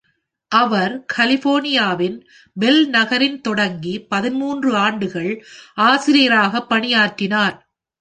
அவர் கலிபோர்னியாவின் பெல் நகரில் தொடங்கி பதின்மூன்று ஆண்டுகள் ஆசிரியராக பணியாற்றினார்.